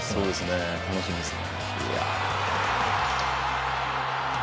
楽しみですよね。